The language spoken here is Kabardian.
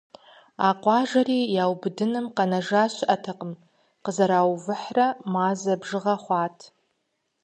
А къуажэри яубыдыным къэнэжа щыӀэтэкъым – къызэраувыхьрэ мазэ бжыгъэ хъуат.